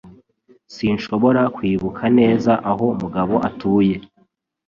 Sinshobora kwibuka neza aho Mugabo atuye